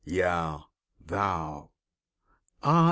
Yea, Thou! Ah!